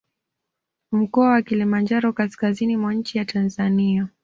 Mkoa wa Kilimanjaro kaskazini mwa nchi ya Tanzania